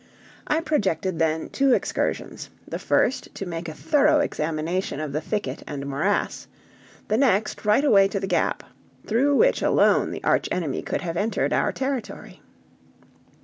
I projected then two excursions, the first to make a thorough examination of the thicket and morass; the next right away to the Gap, through which alone the archenemy could have entered our territory.